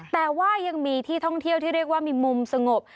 แต่ว่ายังมีที่ท่องเที่ยวที่เรียกว่ามีมุมสงบ